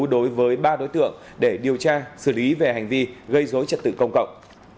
đối với ba đối tượng để điều tra xử lý về hành vi gây dối trật tự công cộng